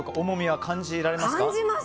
重みは感じられますか。